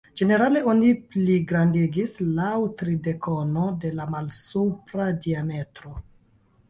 Ĝenerale oni pligrandigis laŭ tridek-ono de la malsupra diametro.